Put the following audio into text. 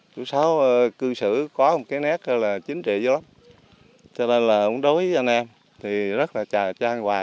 chú sáu cư xử có một cái nét chính trị vô lắm cho nên là ông đối với anh em thì rất là tràn hoài